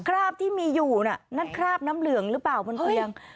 คราบที่มีอยู่น่ะนั่นคราบน้ำเหลืองหรือเปล่าบนเตียง